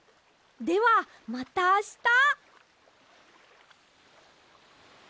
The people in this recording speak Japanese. ではまたあした。